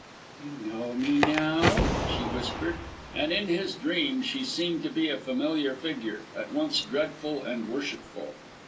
"You know me, now?" she whispered. And in his dream she seemed to be a familiar figure, at once dreadful and worshipful.